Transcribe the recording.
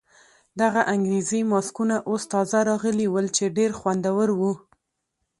دغه انګریزي ماسکونه اوس تازه راغلي ول چې ډېر خوندور وو.